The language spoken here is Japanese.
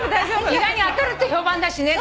意外に当たるって評判だしね